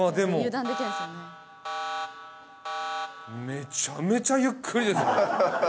めちゃめちゃゆっくりですね。